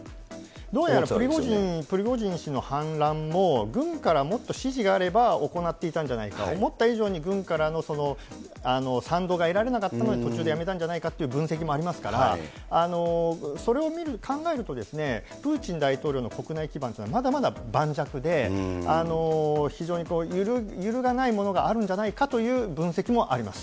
どうやらプリゴジン氏の反乱も、軍からもっと支持があれば、行っていたんじゃないか、思った以上に軍からの賛同が得られなかったので、途中でやめたんじゃないかという分析もありますから、それを考えると、プーチン大統領の国内基盤というのは、まだまだ盤石で、非常に揺るがないものがあるんじゃないかという分析もあります。